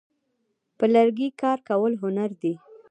په لرګي کار کول هنر دی.